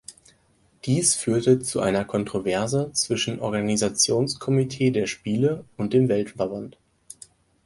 Dies führte zu einer Kontroverse zwischen Organisationskomitee der Spiele und dem Weltverband.